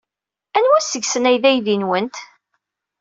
Anwa deg-sen ay d aydi-nwent?